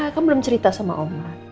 kamu belum cerita sama omah